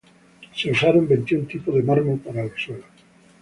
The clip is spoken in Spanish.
Se usaron veintiún tipos de mármol para los suelos.